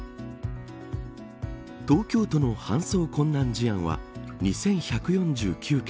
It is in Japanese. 東京都の搬送困難事案は２１４９件。